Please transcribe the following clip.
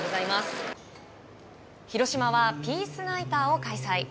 広島はピースナイターを開催。